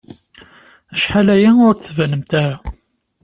Acḥal aya ur d-tbanemt.